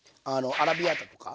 アラビアータとか。